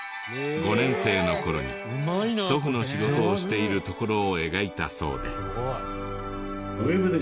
５年生の頃に祖父の仕事をしているところを描いたそうで。